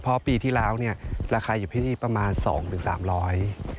เพราะปีที่แล้วเนี่ยราคาอยู่ที่นี่ประมาณสองถึงสามร้อย